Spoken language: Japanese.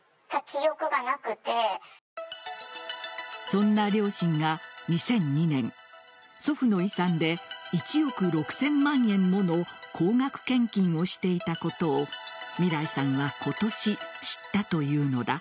そんな両親が２００２年祖父の遺産で１億６０００万円もの高額献金をしていたことをみらいさんは今年、知ったというのだ。